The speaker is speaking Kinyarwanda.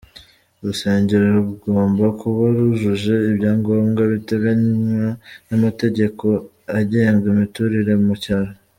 Urusengero rugomba kuba rwujuje ibyangombwa biteganywa n'amategeko agenga imiturire mu cyaro.